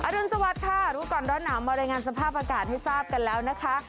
รุนสวัสดิ์ค่ะรู้ก่อนร้อนหนาวมารายงานสภาพอากาศให้ทราบกันแล้วนะคะ